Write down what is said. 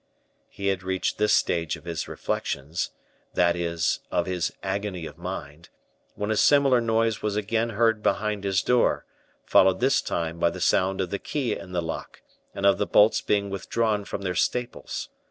He had reached this stage of his reflections, that is, of his agony of mind, when a similar noise was again heard behind his door, followed this time by the sound of the key in the lock, and of the bolts being withdrawn from their staples.